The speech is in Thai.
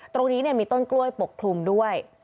ตรงนี้มีต้นกล้วยปกคลุมด้วย